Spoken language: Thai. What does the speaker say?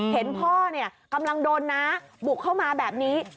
เห็นพ่อกำลังโดนน้าบุกเข้ามาแบบนี้